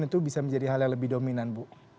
itu bisa menjadi hal yang lebih dominan bu